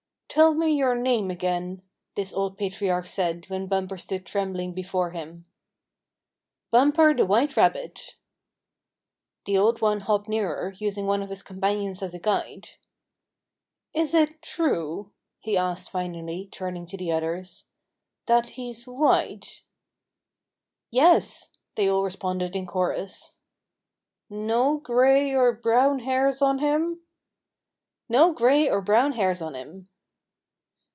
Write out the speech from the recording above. "Tell me your name again!" this old patriarch said when Bumper stood trembling before him. "Bumper the White Rabbit!" The old one hopped nearer, using one of his companions as a guide. "Is it true," he asked finally, turning to the others, "that he's white?" "Yes," they all responded in chorus. "No gray or brown hairs on him?" "No gray or brown hairs on him."